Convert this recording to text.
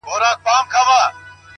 • زموږ په مخکي ورځي شپې دي سفرونه -